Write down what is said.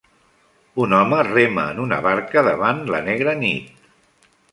Un home rema en una barca davant la negra nit.